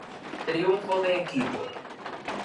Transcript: Triunfo de equipo.